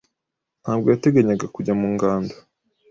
ntabwo yateganyaga kujya mu ngando.